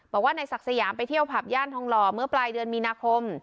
บอกว่านายศักดิ์สยามไปเที่ยวผับย่านทองหล่อเมื่อปลายเดือนมีนาคม